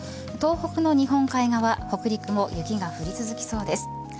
東北の日本海側北陸も雪が降り続きそうです。